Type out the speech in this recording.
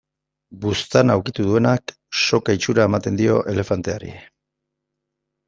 Buztana ukitu duenak, soka itxura ematen dio elefanteari.